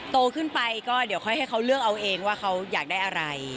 โตขึ้นไปก็เดี๋ยวค่อยให้เขาเลือกเอาเองว่าเขาอยากได้อะไร